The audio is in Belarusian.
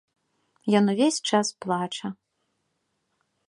Ён увесь час плача.